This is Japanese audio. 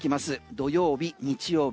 土曜日、日曜日